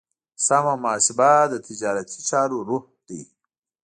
سمه محاسبه د تجارتي چارو روح دی.